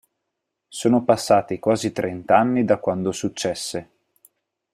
Sono passati quasi trent'anni da quando successe.